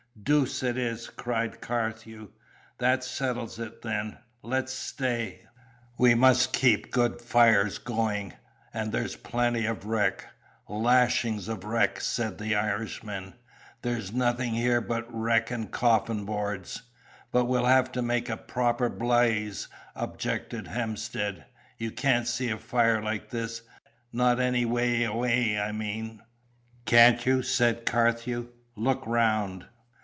"Deuce it is!" cried Carthew. "That settles it, then. Let's stay. We must keep good fires going; and there's plenty wreck." "Lashings of wreck!" said the Irishman. "There's nothing here but wreck and coffin boards." "But we'll have to make a proper blyze," objected Hemstead. "You can't see a fire like this, not any wye awye, I mean." "Can't you?" said Carthew. "Look round."